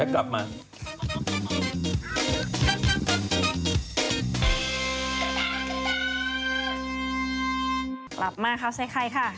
กลับมาข่าวใส่ไข่ค่ะ